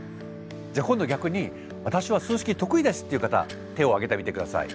じゃあ今度逆に私は数式得意ですっていう方手を挙げてみて下さい。